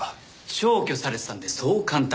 消去されてたんでそう簡単には。